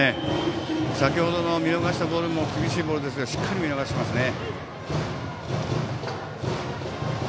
先程の見逃したボールも厳しいボールですがしっかり見逃していますね。